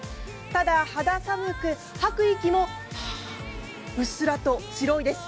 ただ、肌寒く吐く息も、ハッうっすらと白いです。